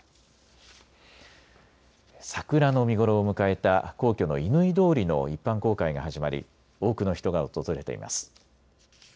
桜の見頃を迎えた皇居の乾通りの一般公開が始まり多くの人が訪れています。